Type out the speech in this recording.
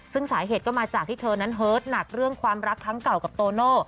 ซึ่งสาเหตุก็มาจากที่เธอนั้นเฮิตหนักเรื่องความรักทั้งเก่ากับโตโน่